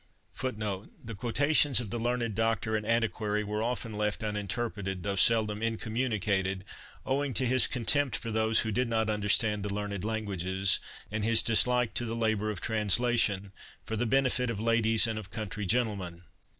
The quotations of the learned doctor and antiquary were often left uninterpreted, though seldom incommunicated, owing to his contempt for those who did not understand the learned languages, and his dislike to the labour of translation, for the benefit of ladies and of country gentlemen.